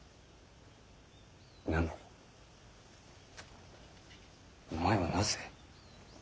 なのにお前はなぜ。